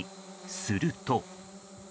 すると。